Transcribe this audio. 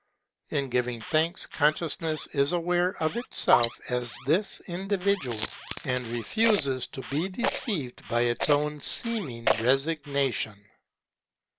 In giving thanks consciousness is aware of itself as this individual, and refuses to be deceived by its own seeming resignation.